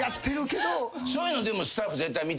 そういうのでもスタッフ絶対見てるもんな。